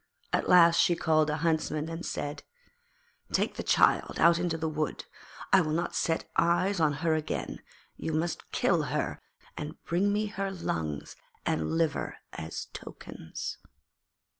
At last she called a Huntsman, and said: 'Take the child out into the wood; I will not set eyes on her again; you must kill her and bring me her lungs and liver as tokens.'